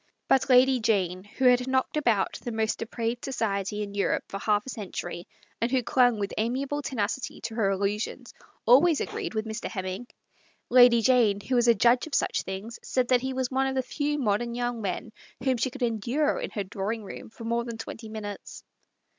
But Lady Jane, who had knocked about the most depraved society in Europe for half a cen tury, and who clung with amiable tenacity to her illusions, always agreed with Mr. Hem ming. Lady Jane, who was a connoisseur in 12 THE 8T0RY OF A MODERN WOMAN. such things, said that he was one of the few modern young men whom she could endure in her drawing room for more than twenty minutes.